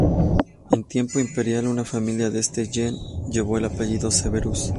En tiempo imperial, una familia de este gens llevó el apellido "Severus".